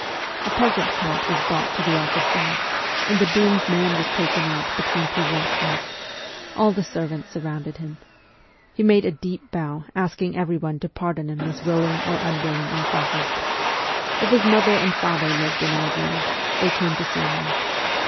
A peasant cart was brought to the office door, and the doomed man was taken out between two watchmen. All the servants surrounded him. He made a deep bow asking everyone to pardon him his willing or un willing offences. If his father and mother lived in our village, they came to see him off.